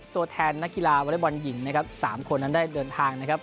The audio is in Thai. ตัวแทนนักกีฬาวอเล็กบอลหญิงนะครับ๓คนนั้นได้เดินทางนะครับ